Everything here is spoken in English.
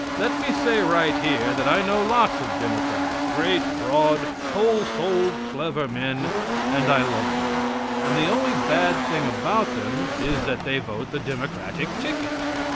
Let me say right here that I know lots of Democrats, great, broad, whole souled, clever men, and I love them. And the only bad thing about them is that they vote the Democratic ticket.